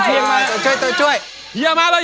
ทีมนี้๘๐๐ใช่ไหมครับ